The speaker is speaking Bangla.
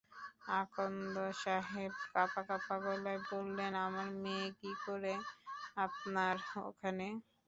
আকন্দ সাহেব কাঁপা-কাঁপা গলায় বললেন, আমার মেয়েটি কী করে আপনার ওখানে।